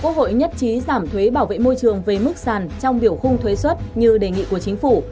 quốc hội nhất trí giảm thuế bảo vệ môi trường về mức sàn trong biểu khung thuế xuất như đề nghị của chính phủ